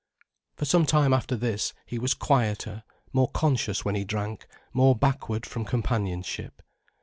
For some time after this, he was quieter, more conscious when he drank, more backward from companionship.